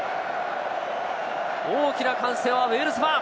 大きな歓声はウェールズファン。